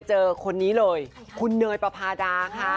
เจอคนนี้เลยคุณเนยปภาดาค่ะ